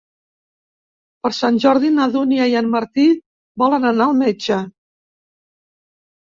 Per Sant Jordi na Dúnia i en Martí volen anar al metge.